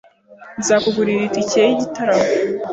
Nzakugurira itike yigitaramo?